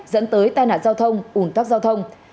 dẫn tới tai nạn giao thông ủn tắc giao thông